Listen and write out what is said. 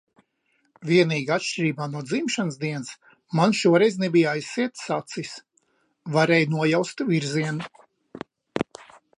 Vienīgi atšķirībā no dzimšanas dienas, man šoreiz nebija aizsietas acis. Varēju nojaust virzienu.